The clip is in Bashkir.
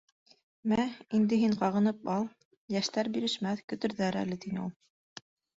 — Мә, инде һин ҡағынып ал, йәштәр бирешмәҫ, көтөрҙәр әле, — тине ул.